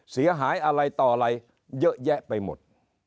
เสียหายอะไรต่ออะไรเยอะแยะไปหมด